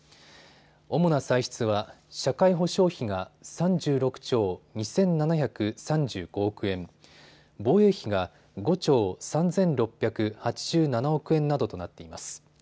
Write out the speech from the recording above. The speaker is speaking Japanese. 主な歳出は社会保障費が３６兆２７３５億円、防衛費が５兆３６８７億円などとなっています。